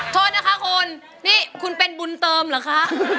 โทษนะคะคุณนี่คุณเป็นบุญเติมเหรอคะ